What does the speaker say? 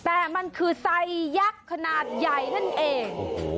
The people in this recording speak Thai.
แต่มันคือใส่ยักษ์ขนาดใหญ่นั่นเองโอ้โห